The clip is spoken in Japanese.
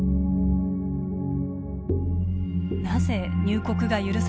なぜ入国が許されたのか。